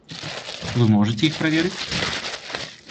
Вы можаце іх праверыць?